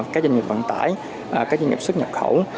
các doanh nghiệp vận tải các doanh nghiệp xuất nhập khẩu